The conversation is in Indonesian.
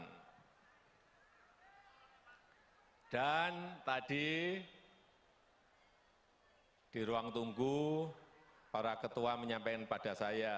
hai dan tadi di ruang tunggu para ketua menyampaikan pada saya